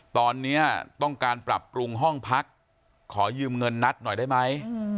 ตอนนี้ต้องการปรับปรุงห้องพักขอยืมเงินนัดหน่อยได้ไหม